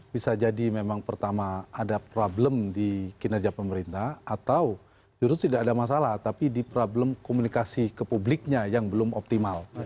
bisa jadi memang pertama ada problem di kinerja pemerintah atau justru tidak ada masalah tapi di problem komunikasi ke publiknya yang belum optimal